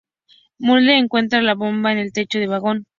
Mulder encuentra la bomba en el techo del vagón.